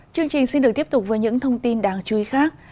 chương trình xin được tiếp tục với những thông tin đáng chú ý khác